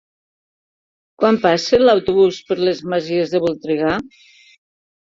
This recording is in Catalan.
Quan passa l'autobús per les Masies de Voltregà?